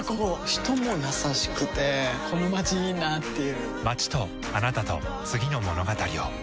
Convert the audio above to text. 人も優しくてこのまちいいなぁっていう